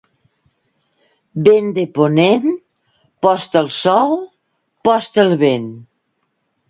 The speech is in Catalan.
Vent de ponent, post el sol, post el vent.